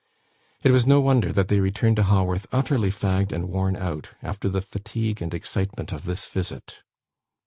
It was no wonder that they returned to Haworth utterly fagged and worn out, after the fatigue and excitement of this visit.